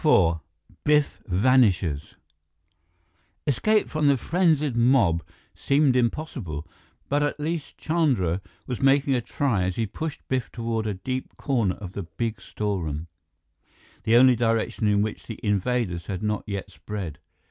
IV Biff Vanishes Escape from the frenzied mob seemed impossible, but at least Chandra was making a try as he pushed Biff toward a deep corner of the big storeroom, the only direction in which the invaders had not yet spread.